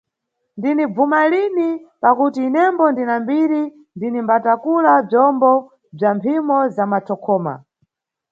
"ndinibvuma lini" pakuti inembo ndina mbiri, ndinimbatakula bzombo bza mphimo za mathokhoma.